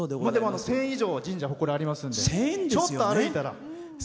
１０００以上神社や、ほこらがありますのでちょっと歩いたら。